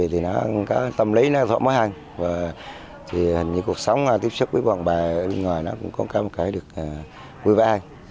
thì nó có tâm lý nó thỏa mới hơn thì hình như cuộc sống tiếp xúc với bọn bà bên ngoài nó cũng có một cái được vui vẻ